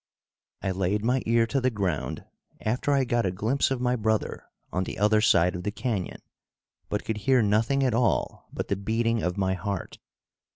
I laid my ear to the ground after I got a glimpse of my brother on the other side of the canyon, but could hear nothing at all but the beating of my heart.